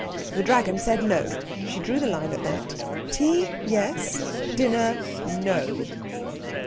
The Dragon said no she drew the line at that. Tea, yes dinner, no!